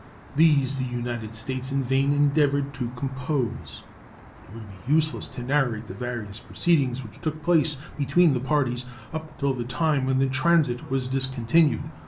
These the United States in vain endeavored to compose. It would be useless to narrate the various proceedings which took place between the parties up till the time when the transit was discontinued.